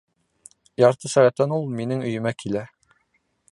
Ярты сәғәттән ул минең өйөмә килә.